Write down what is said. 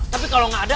tapi kalau gak ada